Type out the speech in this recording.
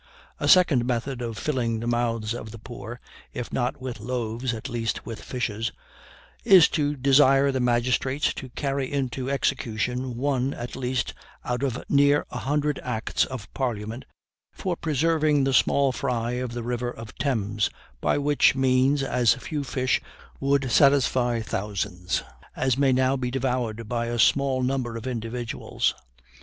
A second method of filling the mouths of the poor, if not with loaves at least with fishes, is to desire the magistrates to carry into execution one at least out of near a hundred acts of parliament, for preserving the small fry of the river of Thames, by which means as few fish would satisfy thousands as may now be devoured by a small number of individuals.